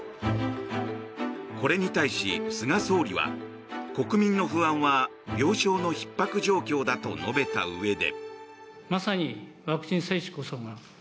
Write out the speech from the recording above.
これに対し、菅総理は国民の不安は病床のひっ迫状況だと述べたうえで。